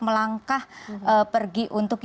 melangkah pergi untuk